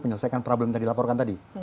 menyelesaikan problem yang dilaporkan tadi